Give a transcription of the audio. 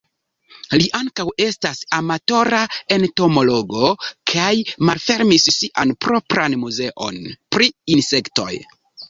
Li ankaŭ estas amatora entomologo kaj malfermis sian propran muzeon pri insektoj.